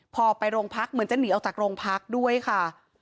พอไปโรงพักเหมือนจะหนีออกจากโรงพักด้วยค่ะ